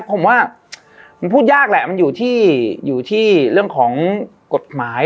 ผมว่ามันพูดยากแหละมันอยู่ที่อยู่ที่เรื่องของกฎหมาย